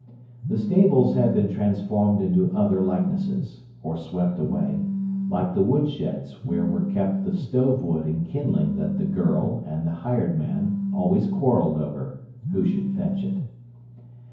The stables have been transformed into other likenesses, or swept away, like the woodsheds where were kept the stove wood and kindling that the "girl" and the "hired man" always quarrelled over: who should fetch it.